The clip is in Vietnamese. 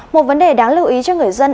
một vấn đề đáng lưu ý cho người dân